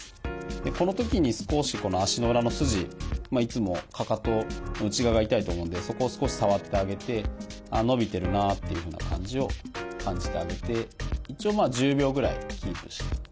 このときに少しこの足の裏の筋いつもかかとの内側が痛いと思うのでそこを少し触ってあげて伸びてるなっていうふうな感じを感じてあげて一応まあ１０秒ぐらいキープして。